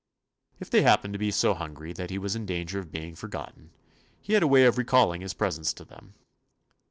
If they happened to be so hungry that he was in danger of being forgotten, he had a way of re 55 THE AD\'EXTURES OF calling his presence to them.